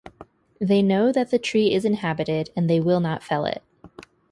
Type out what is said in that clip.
They know that the tree is inhabited and they will not fell it.